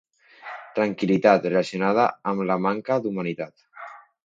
Tranquil·litat relacionada amb la manca d'humitat.